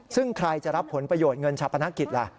ซึ่งใครจะรับผลประโยชน์เงินชาปนกิจล่ะ